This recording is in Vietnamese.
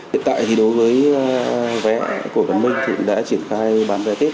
hiện tại thì đối với vé của văn minh thì đã triển khai bán vé tết